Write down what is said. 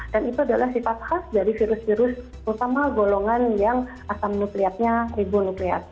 dan itu adalah sifat khas dari virus virus utama golongan yang asam nukleatnya ribu nukleat